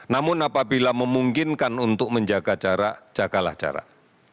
namun apabila memungkinkan untuk menjaga jarak jagalah jarak